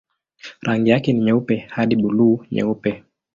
Rangi yake ni nyeupe hadi buluu-nyeupe.